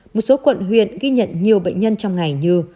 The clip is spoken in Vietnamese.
một số quận huyện ghi nhận nhiều bệnh nhân trong ngày như